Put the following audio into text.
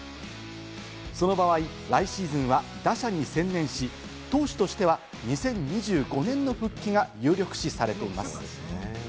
その場合、来シーズンは打者に専念し、投手としては２０２５年の復帰が有力視されています。